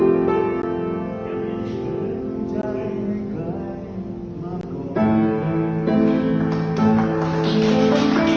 มือแบบให้กำลังใจเชียร์แบบให้ให้ร้องเลยอะไรอย่าง